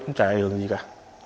không trải được gì cả